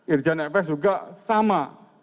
irjan efes juga sama